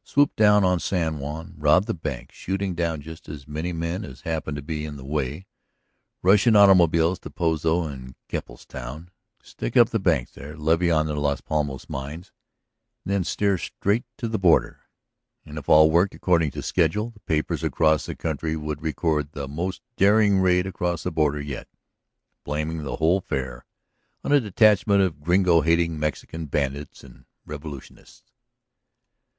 . swoop down on San Juan, rob the bank, shooting down just as many men as happen to be in the way, rush in automobiles to Pozo and Kepple's Town, stick up the banks there, levy on the Las Palmas mines, and then steer straight to the border. And, if all worked according to schedule, the papers across the country would record the most daring raid across the border yet, blaming the whole affair on a detachment of Gringo hating Mexican bandits and revolutionists."